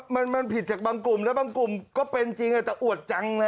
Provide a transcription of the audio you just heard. มันผิดจากบางกลุ่มแล้วบางกลุ่มก็เป็นจริงแต่อวดจังนะ